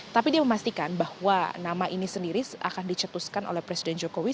tapi dia memastikan bahwa nama ini sendiri akan dicetuskan oleh presiden jokowi